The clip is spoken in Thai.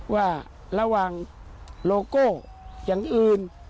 ว่าระหว่างโลโก้อย่างอื่น